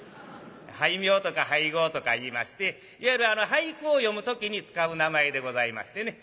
俳名とか俳号とかいいましていわゆる俳句を詠む時に使う名前でございましてね。